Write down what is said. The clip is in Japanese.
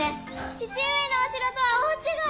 父上のお城とは大違い！